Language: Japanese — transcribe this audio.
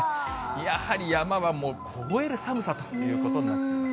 やはり山はもう、凍える寒さということになっています。